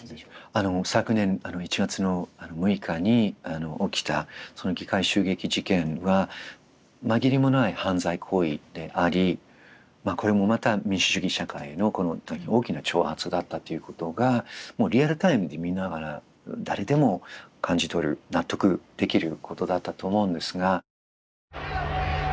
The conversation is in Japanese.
あの昨年１月の６日に起きたその議会襲撃事件は紛れもない犯罪行為でありこれもまた民主主義社会への大きな挑発だったっていうことがもうリアルタイムで見ながら誰でも感じ取る納得できることだったと思うんですが。